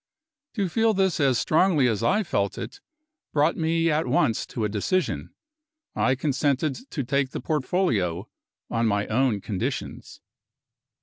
To feel this as strongly as I felt it, brought me at once to a decision. I consented to take the portfolio on my own conditions.